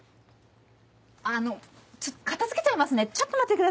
あの片付けちゃいますねちょっと待ってください。